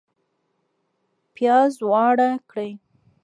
پیاز واړه کړئ